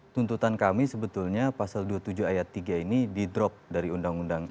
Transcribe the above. tuntutan kami sebetulnya pasal dua puluh tujuh ayat tiga ini di drop dari undang undang